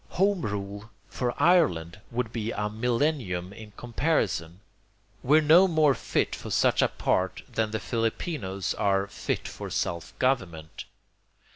Home rule for Ireland would be a millennium in comparison. We're no more fit for such a part than the Filipinos are 'fit for self government.'